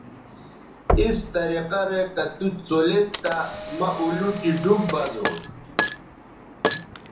اس طریقہ رے کہ تُوڅولید تہ مہ اولوٹی ڈوب بزونݜ